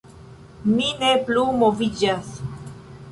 Mi ne plu moviĝas.